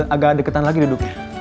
agak deketan lagi duduknya